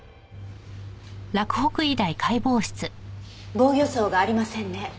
防御創がありませんね。